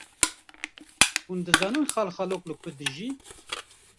Hûn dizanin xalxalok li ku dijî?